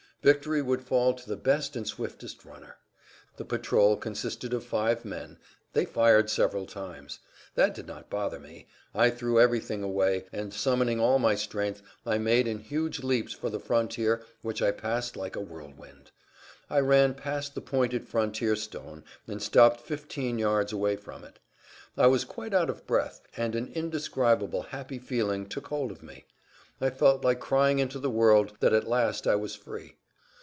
Victory would fall to the best and swiftest runner. The patrol consisted of five men; they fired several times. That did not[Pg 187] bother me. I threw everything away and, summoning all my strength, I made in huge leaps for the frontier which I passed like a whirlwind. I ran past the pointed frontier stone and stopped fifty yards away from it. I was quite out of breath, and an indescribable happy feeling took hold of me. I felt like crying into the world that at last I was free.